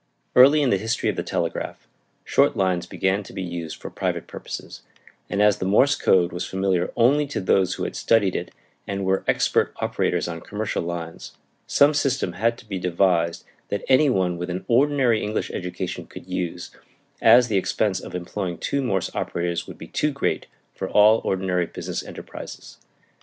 Early in the history of the telegraph short lines began to be used for private purposes, and as the Morse code was familiar only to those who had studied it and were expert operators on commercial lines, some system had to be devised that any one with an ordinary English education could use; as the expense of employing two Morse operators would be too great for all ordinary business enterprises.